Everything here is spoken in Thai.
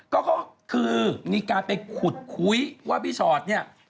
ก็คือมีการไปขุดคุยว่าพี่ชอตเนี่ย